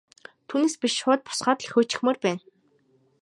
Түүнээс биш шууд босгоод л хөөчихмөөр байна.